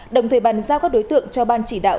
đồng thời bàn giao các đối tượng cho ban chỉ đạo